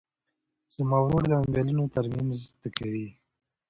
زما ورور د موبایلونو ترمیم زده کوي.